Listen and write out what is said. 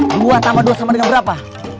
membuat tambah dua sama dengan berapa